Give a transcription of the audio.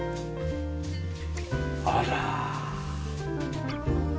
あら。